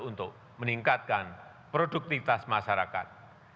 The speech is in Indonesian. untuk meningkatkan produktivitas masyarakat